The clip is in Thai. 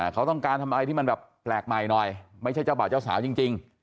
เขาต้องการทำอะไรที่มันแบบแปลกใหม่หน่อยไม่ใช่เจ้าบ่าวเจ้าสาวจริง